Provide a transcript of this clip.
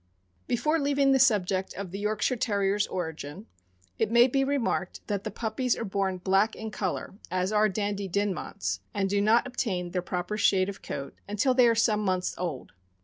Before leaving the subject of the Yorkshire Terrier's origin, it may be remarked that the puppies are born black in color, as are Dandy Dinmonts, and do not obtain their proper shade of coat until they are some months old.